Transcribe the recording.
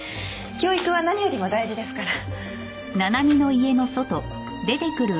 教育は何よりも大事ですから。